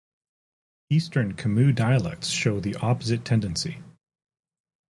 Eastern Khmu dialects show the opposite tendency.